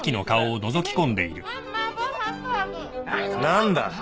何だ？